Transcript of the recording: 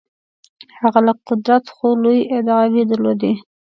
هغه لږ قدرت خو لویې ادعاوې درلودلې.